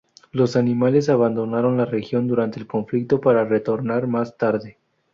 Los animales abandonaron la región durante el conflicto para retornar más tarde.